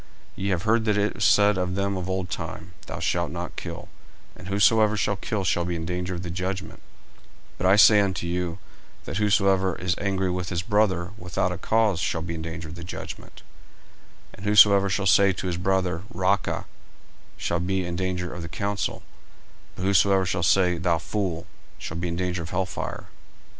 40:005:021 Ye have heard that it was said of them of old time, Thou shalt not kill; and whosoever shall kill shall be in danger of the judgment: 40:005:022 But I say unto you, That whosoever is angry with his brother without a cause shall be in danger of the judgment: and whosoever shall say to his brother, Raca, shall be in danger of the council: but whosoever shall say, Thou fool, shall be in danger of hell fire.